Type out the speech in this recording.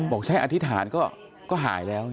บอกใช้อธิษฐานก็หายแล้ว